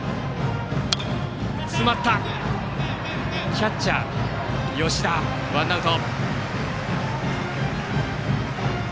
キャッチャー、吉田がとってワンアウト。